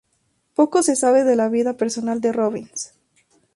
Poco se sabe de la vida personal de Robbins.